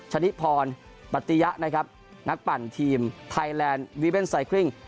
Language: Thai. ชนิพรปัตยะนะครับนักปั่นทีมไทยแลนด์วีเว่นไซคริ่ง